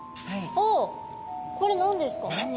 おっこれ何ですか？